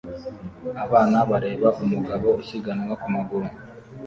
Abana bareba umugabo usiganwa ku maguru